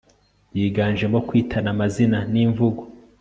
yiganjemo kwitana amazina n imvugo